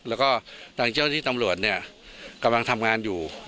แล้วก็ทางเจ้าที่ตำรวจเนี่ยกำลังทำงานอยู่